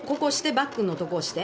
バックのとこ押して。